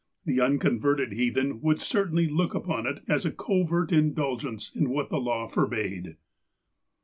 The unconverted heathen would certainly look upon it as a covert indulgence in what the law for bade.